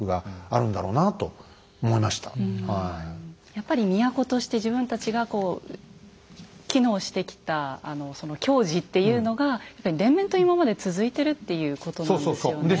やっぱり都として自分たちが機能してきた矜持っていうのが連綿と今まで続いてるっていうことなんですよね。